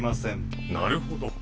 なるほど。